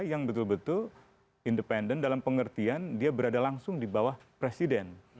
yang betul betul independen dalam pengertian dia berada langsung di bawah presiden